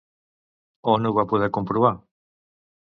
On ho va poder comprovar?